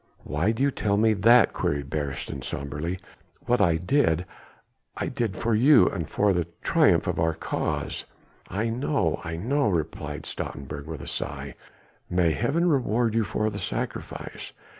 "Why do you tell me all that?" queried Beresteyn sombrely. "What I did, I did for you and for the triumph of your cause." "I know, I know," replied Stoutenburg with a sigh, "may Heaven reward you for the sacrifice.